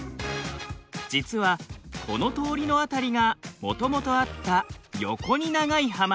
実はこの通りの辺りがもともとあった横に長い浜。